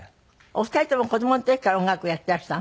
お二人とも子供の時から音楽をやってらした？